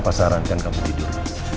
papa sarankan kamu tidur